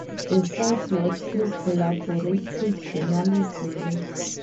The site works through collaborative journalism.